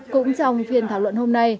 cũng dòng phiền thảo luận hôm nay